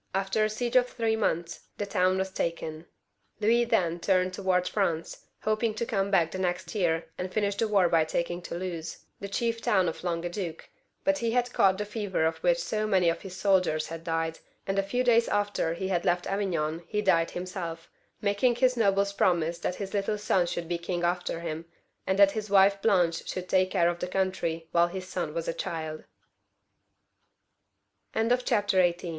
After a siege of three months, the town was taken. Louis then turned towards France, hoping to come back the next year and finish the war by taking Toulouse, the chief town of Languedoc, but he had caught the fever of which so many of his soldiers had died, and a few days after he had left Avignon, he died himself, making his nobles promise that his Uttle son should be king after him, and that his wife Blanche should take care of the country